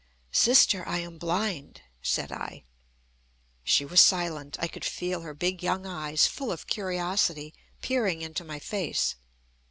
"Sister, I am blind," said I. She was silent. I could feel her big young eyes, full of curiosity, peering into my face.